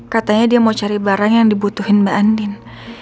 katanya dia mau cari barang yang dibutuhin mbak andin